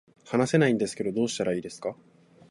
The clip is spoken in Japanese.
話せないんですけど、どうしたらいいですか